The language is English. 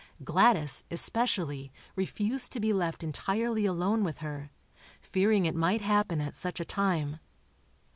Gladys, especially, refused to be left entirely alone with her, fearing it might happen at such a time.